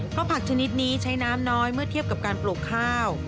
เพราะผักชนิดนี้ใช้น้ำน้อยเมื่อเทียบกับการปลูกข้าว